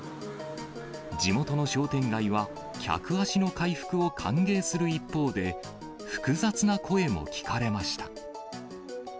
地元の商店街は、客足の回復を歓迎する一方で、複雑な声も聞かれました。